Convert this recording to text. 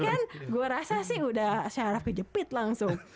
ya kan gue rasa sih udah syaraf kejepit langsung